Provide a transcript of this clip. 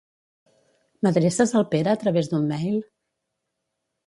M'adreces al Pere a través d'un mail?